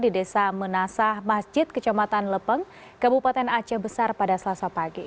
di desa menasah masjid kecamatan lepeng kabupaten aceh besar pada selasa pagi